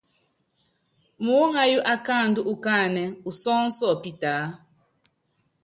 Muúŋayú akáandú ukáánɛ usɔ́ɔ́nsɔ pitaá.